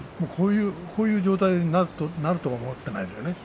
こういう状態になるとは思っていないですからね。